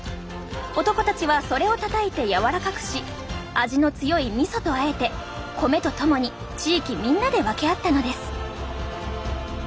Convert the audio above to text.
男たちはそれをたたいてやわらかくし味の強いみそとあえて米とともに地域みんなで分け合ったのです。